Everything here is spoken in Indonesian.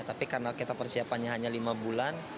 tapi karena kita persiapannya hanya lima bulan